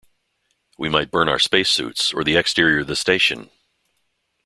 We might burn our spacesuits or the exterior of the station.